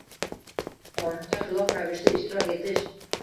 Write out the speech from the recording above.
qonunga xilof ravishda ishtirok etish —